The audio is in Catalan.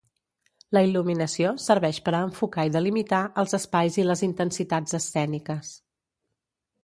La il·luminació serveix per a enfocar i delimitar els espais i les intensitats escèniques.